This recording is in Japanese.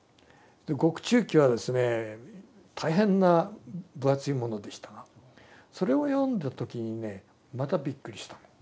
獄中記はですね大変な分厚いものでしたがそれを読んだ時にねまたびっくりした。